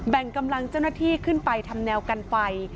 กำลังเจ้าหน้าที่ขึ้นไปทำแนวกันไฟ